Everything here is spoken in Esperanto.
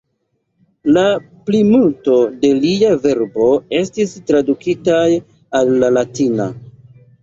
La plimulto de lia verko estis tradukitaj al la latina.